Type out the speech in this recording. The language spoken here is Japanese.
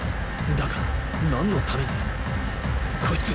だが何の為に⁉こいつ⁉